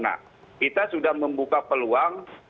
nah kita sudah membuka peluang